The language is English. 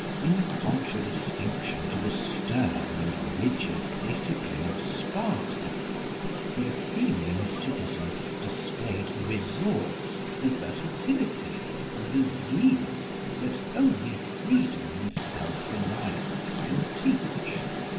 In contradistinction to the stern and rigid discipline of Sparta, the Athenian citizen displayed the resource, the versatility and the zeal that only freedom and self reliance can teach.